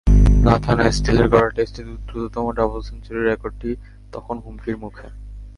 Nathan অ্যাস্টলের গড়া টেস্টের দ্রুততম ডাবল সেঞ্চুরির রেকর্ডটি তখন হুমকির মুখে।